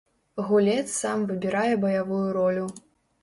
Гулец сам выбірае баявую ролю.